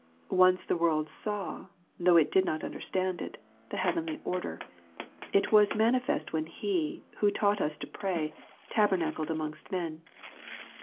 Once the world saw, though it did not understand it, the heavenly order. It was manifest when He, who taught us to pray, tabernacled amongst men.